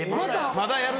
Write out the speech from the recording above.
まだやる？